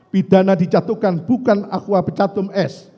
pidana dicatukan bukan akwa pecatum es